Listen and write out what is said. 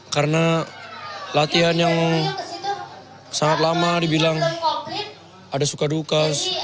karena latihan yang sangat lama dibilang ada suka duka